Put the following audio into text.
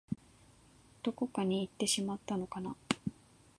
どこかにいってしまったのかな